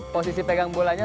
posisi pegang bolanya